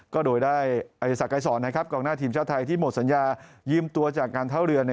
ก็โดยได้อัยศักดายสอนนะครับกองหน้าทีมชาติไทยที่หมดสัญญายืมตัวจากการเท่าเรือ